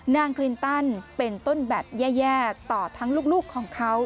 คลินตันเป็นต้นแบบแย่ต่อทั้งลูกของเขา